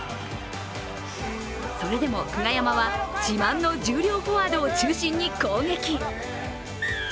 それでも久我山は自慢の重量フォワードを中心に攻撃。